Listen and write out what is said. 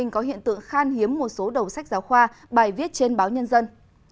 có hiện tượng khan hiếm một số đầu sách giáo khoa bài viết trên báo nhân dân